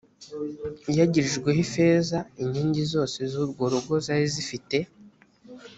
iyagirijweho ifeza inkingi zose z urwo rugo zari zifite